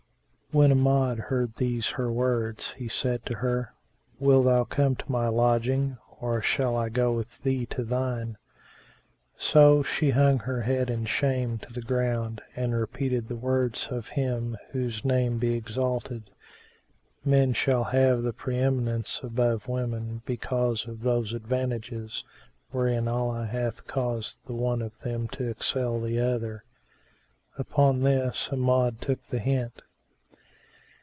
When Amjad heard these her words he said to her, "Wilt thou come to my lodging or shall I go with thee to shine?" So she hung her head in shame to the ground and repeated the words of Him whose Name be exalted, "Men shall have the pre eminence above women, because of those advantages wherein Allah hath caused the one of them to excel the other."[FN#387] Upon this, Amjad took the hint.